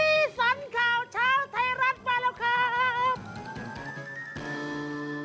สันข่าวเช้าไทยรัฐมาแล้วครับ